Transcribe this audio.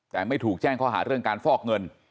แต่ไม่ถูกแจ้งข้อหาเรื่องการฟอกเงิน